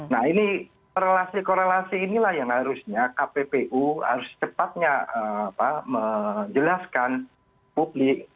nah ini korelasi korelasi inilah yang harusnya kppu harus cepatnya menjelaskan publik